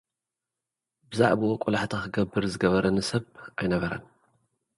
ብዛዕብኡ ቆላሕታ ክገብር ዝገበረኒ ሰብ ኣይነበረን።